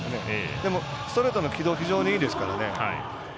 でも、ストレートの軌道非常にいいですからね。